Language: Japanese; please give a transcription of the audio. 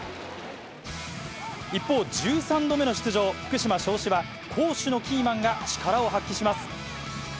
一方、１３度目の出場、福島・尚志は攻守のキーマンが力を発揮します。